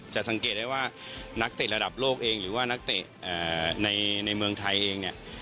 สังเกตได้ว่านักเตะระดับโลกเองหรือว่านักเตะในเมืองไทยเองเนี่ย